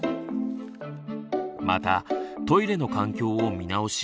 またトイレの環境を見直し